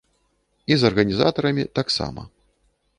І з арганізатарамі таксама.